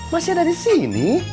masih ada disini